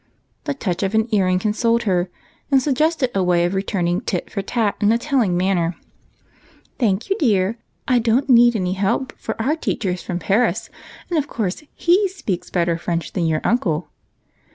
The touch of an ear ring consoled her, and suggested a way of return ing tit for tat in a telling manner. " Thank you, dear ; I don't need any help, for our teacher is from Paris, and of course he speaks better French than your uncle."